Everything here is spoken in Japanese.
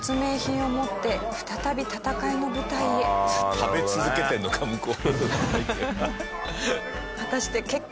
食べ続けてるのか向こう。